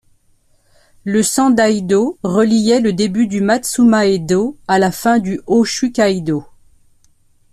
Le Sendaidō reliait le début du Matsumaedō à la fin du Ōshū Kaidō.